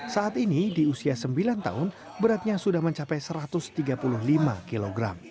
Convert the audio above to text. saat ini di usia sembilan tahun beratnya sudah mencapai satu ratus tiga puluh lima kg